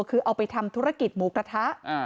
คือเอาไปทำธุรกิจหมูกระทะ